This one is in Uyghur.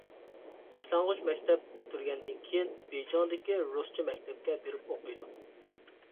باشلانغۇچ مەكتەپ پۈتتۈرگەندىن كېيىن، بېيجىڭدىكى رۇسچە مەكتەپكە بېرىپ ئوقۇيدۇ.